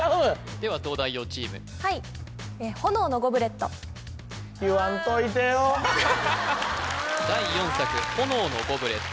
では東大王チームはい言わんといてよ第４作「炎のゴブレット」